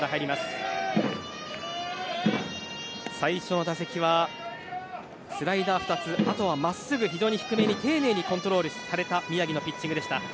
最初の打席はスライダー２つあとは真っすぐ非常に低めに丁寧にコントロールされた宮城のピッチングでした。